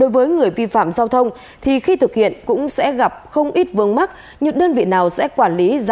với phương tiện nhỏ gọn như vậy